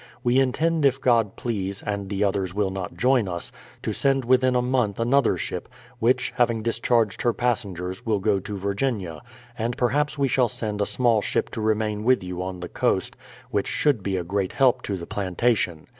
... We intend, if God please, ^'^.id the others will not join us, to send within a month another ship, ' hich, having discharged her passengers, will go to Virginia. ... i.nd perhaps we shall send a small ship to remain with you on the coast, which should be a great help to the plantation.